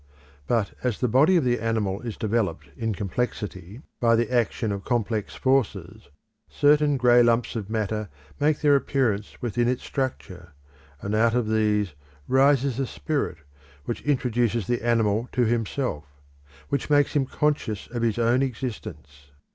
But as the body of the animal is developed in complexity, by the action of complex forces, certain grey lumps of matter make their appearance within its structure, and out of these rises a spirit which introduces the animal to himself, which makes him conscious of his own existence.